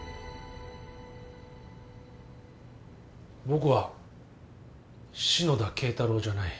僕は篠田敬太郎じゃない。